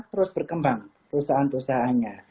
terus berkembang perusahaan perusahaannya